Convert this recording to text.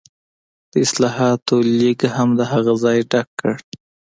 د اصلاحاتو لیګ هم د هغه ځای ډک کړ.